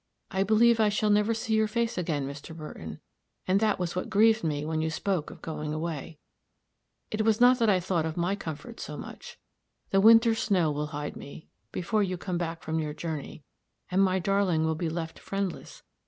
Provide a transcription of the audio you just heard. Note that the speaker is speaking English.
I believe I shall never see your face again, Mr. Burton; and that was what grieved me when you spoke of going away it was not that I thought of my comfort so much. The winter snow will hide me before you come back from your journey; and my darling will be left friendless.